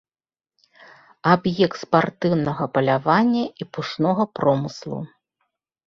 Аб'ект спартыўнага палявання і пушнога промыслу.